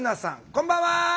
こんばんは。